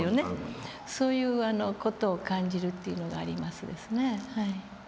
そういう事を感じるというのがありますですね。